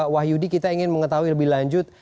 wahyudi kita ingin mengetahui lebih lanjut